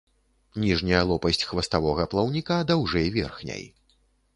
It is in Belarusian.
Ніжняя лопасць хваставога плаўніка даўжэй верхняй.